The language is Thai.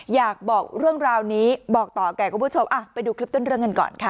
อยากบอกเรื่องราวนี้บอกต่อแก่คุณผู้ชมไปดูคลิปต้นเรื่องกันก่อนค่ะ